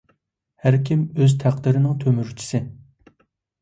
ھەركىم ئۆز تەقدىرىنىڭ تۆمۈرچىسى!